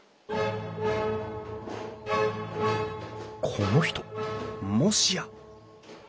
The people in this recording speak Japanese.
この人もしや！